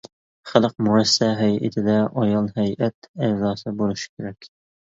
خەلق مۇرەسسە ھەيئىتىدە ئايال ھەيئەت ئەزاسى بولۇشى كېرەك.